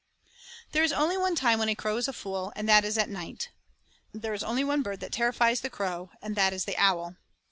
III There is only one time when a crow is a fool, and that is at night. There is only one bird that terrifies the crow, and that is the owl.